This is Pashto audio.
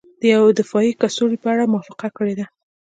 د یوې دفاعي کڅوړې په اړه موافقه کړې ده